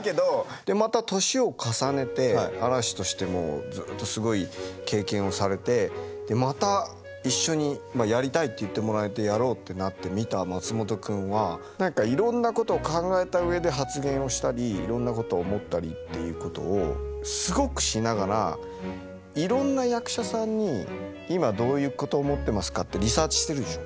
でまた年を重ねて嵐としてもずっとすごい経験をされてまた一緒にやりたいと言ってもらえてやろうってなって見た松本君は何かいろんなことを考えた上で発言をしたりいろんなことを思ったりっていうことをすごくしながらいろんな役者さんに今どういうこと思ってますかってリサーチしてるでしょう？